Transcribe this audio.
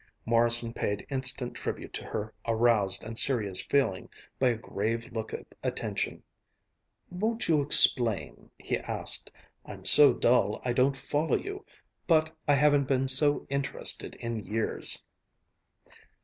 Morrison paid instant tribute to her aroused and serious feeling by a grave look of attention. "Won't you explain?" he asked. "I'm so dull I don't follow you. But I haven't been so interested in years."